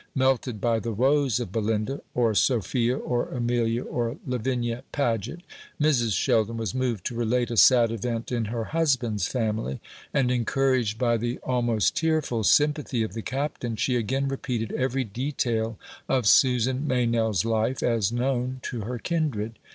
Melted by the woes of Belinda, or Sophia, or Amelia, or Lavinia Paget, Mrs. Sheldon was moved to relate a sad event in her husband's family; and encouraged by the almost tearful sympathy of the Captain, she again repeated every detail of Susan Meynell's life, as known to her kindred.